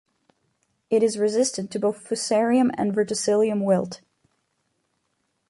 It is resistant to both Fusarium and Verticillium wilt.